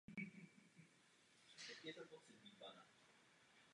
Spolupracuje výhradně s hudebním producentem Jiřím Vidasovem.